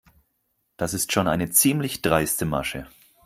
Das ist schon eine ziemlich dreiste Masche.